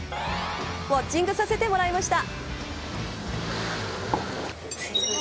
ウオッチングさせてもらいました。